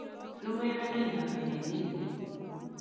Lumeiywondennyo Kainennyi,